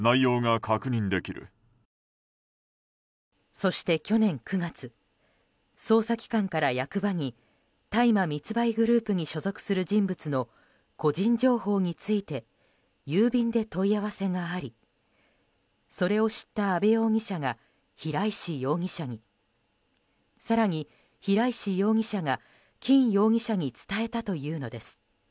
そして去年９月捜査機関から役場に大麻密売グループに所属する人物の個人情報について郵便で問い合わせがありそれを知った阿部容疑者が平石容疑者に更に平石容疑者が金容疑者に伝えたというのです。